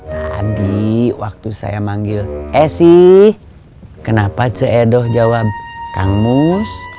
tadi waktu saya manggil esi kenapa se edoh jawab kang mus